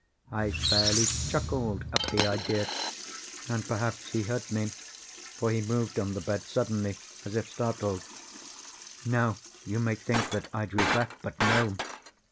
I fairly chuckled at the idea; and perhaps he heard me; for he moved on the bed suddenly, as if startled. Now you may think that I drew back—but no.